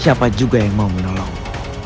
siapa juga yang mau menolong